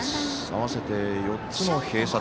合わせて４つの併殺。